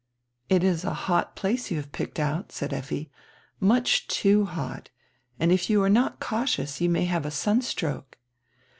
] "It is a hot place you have picked out," said Effi, "much too hot. And if you are not cautious you may have a sun stroke."